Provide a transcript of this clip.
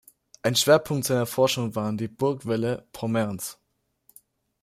Ein Schwerpunkt seiner Forschung waren die Burgwälle Pommerns.